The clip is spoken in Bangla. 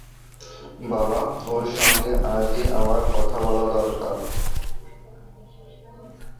বাবা, ওঁর সঙ্গে আজই আমার কথা বলা দরকার।